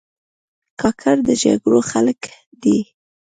کاکړ د جرګو خلک دي.